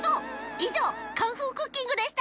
いじょう「カンフークッキング」でした！